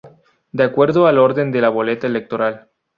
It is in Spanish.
De acuerdo al orden de la boleta electoral.